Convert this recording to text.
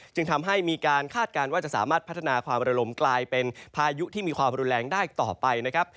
จึงทำให้มีการคาดการณ์ว่าจะสามารถพัฒนาความระลมกลายเป็นพายุที่มีความรุนแรงได้ต่อไปนะครับ